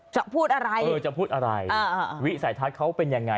พูดอะไรเออจะพูดอะไรวิสัยทัศน์เขาเป็นยังไง